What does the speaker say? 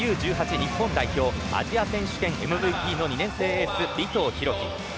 日本代表アジア選手権ＭＶＰの２年生エース尾藤大輝。